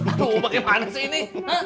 aduh bagaimana sih ini